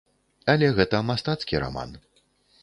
Але гэта мастацкі раман.